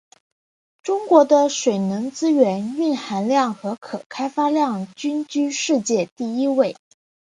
中国的水能资源蕴藏量和可开发量均居世界第一位。